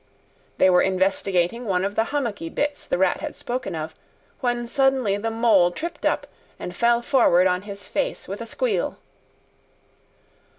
They were investigating one of the hummocky bits the Rat had spoken of, when suddenly the Mole tripped up and fell forward on his face with a squeal.